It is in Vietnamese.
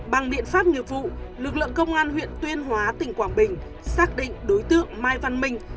bằng biện pháp nghiệp vụ lực lượng công an huyện tuyên hóa tỉnh quảng bình xác định đối tượng mai văn minh